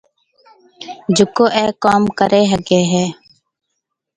جڪو اَي ڪوم ڪريَ هگھيََََ هيَ۔